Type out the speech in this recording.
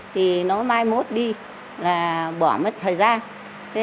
thì nó mai mốt đi là bỏ mất thời gian